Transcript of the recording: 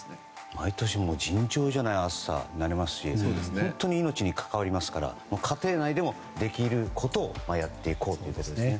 毎年尋常じゃない暑さになりますし本当に命に関わりますから家庭内でもできることをやっていこうということですね。